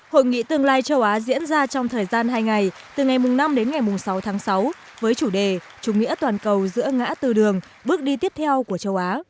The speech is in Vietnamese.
hội nghị tương lai châu á diễn ra trong thời gian hai ngày từ ngày năm đến ngày sáu tháng sáu với chủ đề chủ nghĩa toàn cầu giữa ngã tư đường bước đi tiếp theo của châu á